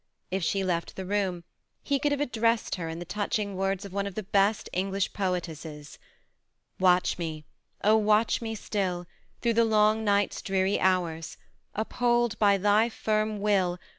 If she left the room, he could have addressed her in the touching words of one of the best of English poetesses, —Watch me, oh watch me still, Through the long night's dreary hours — Uphold, by thy firm will.